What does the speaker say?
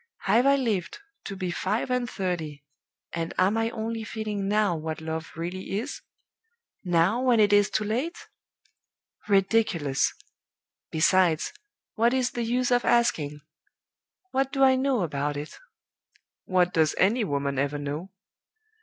Have I lived to be five and thirty, and am I only feeling now what Love really is? now, when it is too late? Ridiculous! Besides, what is the use of asking? What do I know about it? What does any woman ever know?